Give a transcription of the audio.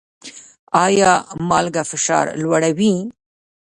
ایا مالګه فشار لوړوي؟